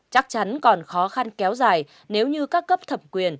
chắc chắn còn khó khăn kéo dài nếu như các cấp thẩm quyền